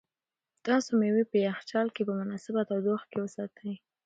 تاسو مېوې په یخچال کې په مناسبه تودوخه کې وساتئ.